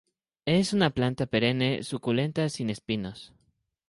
Es una planta perenne suculenta sin espinos.